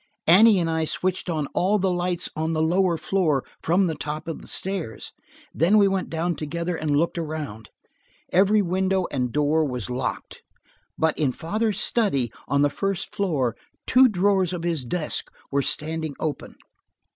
Annie and I switched on all the lights on the lower floor from the top of the stairs. Then we went down together and looked around. Every window and door was locked, but in father's study, on the first floor, two drawers of his desk were standing open.